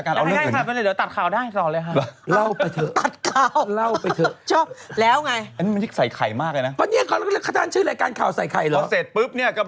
ถ้าเกิดไม่ไปฝากเป็นลูกพระเนี่ยนะ